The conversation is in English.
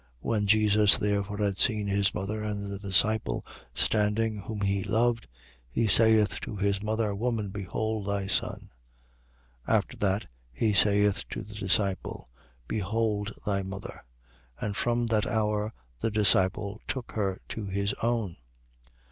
19:26. When Jesus therefore had seen his mother and the disciple standing whom he loved, he saith to his mother: Woman, behold thy son. 19:27. After that, he saith to the disciple: Behold thy mother. And from that hour, the disciple took her to his own.